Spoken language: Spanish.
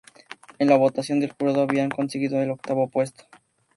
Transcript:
En la votación del jurado habían conseguido el octavo puesto.